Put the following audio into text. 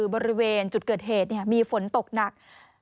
บริเวณจุดเกิดเหตุมีฝนตกหนัก